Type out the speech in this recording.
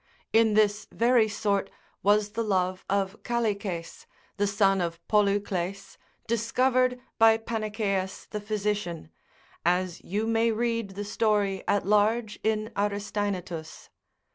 In this very sort was the love of Callices, the son of Polycles, discovered by Panacaeas the physician, as you may read the story at large in Aristenaetus.